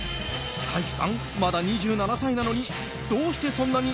大樹さん、まだ２７歳なのにどうしてそんなに